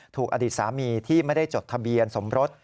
ถูกอดีตสามีที่ไม่ได้จดทะเบียนสมรส